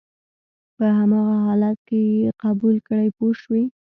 په هماغه حالت کې یې قبول کړئ پوه شوې!.